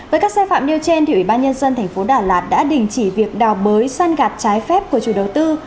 với các sai phạm nêu trên ủy ban nhân dân tp đà lạt đã đình chỉ việc đào bới săn gạt trái phép của chủ đầu tư